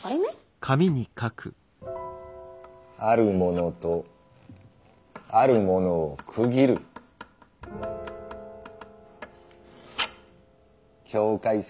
「あるもの」と「あるもの」を区切る境界線。